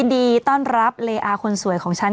พี่ปั๊ดเดี๋ยวมาที่ร้องให้